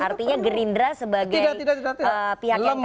artinya gerindra sebagai pihak yang kalah harus menjaga check and balance itu